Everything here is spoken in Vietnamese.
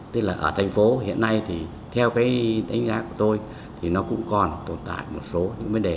tức là ở thành phố hiện nay thì theo cái đánh giá của tôi thì nó cũng còn tồn tại một số những vấn đề